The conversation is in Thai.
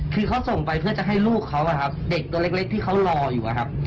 คือเขาส่งไปเพื่อจะให้ลูกเขาเด็กตัวเล็กที่เขารออยู่อะครับ